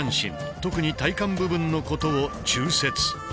特に体幹部分のことを「中節」。